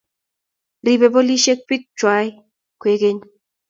Ribei polisiek biikwach kwekeny